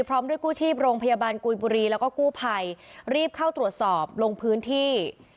พร้อมด้วยกู้ชีพโรงพยาบาลกุยบุรีแล้วก็กู้ภัยรีบเข้าตรวจสอบลงพื้นที่